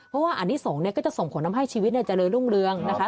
เพราะว่าอันนี้ส่งเนี่ยก็จะส่งผลทำให้ชีวิตเจริญรุ่งเรืองนะคะ